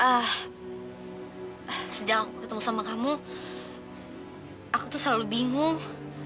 ah sejak aku ketemu sama kamu aku tuh selalu bingung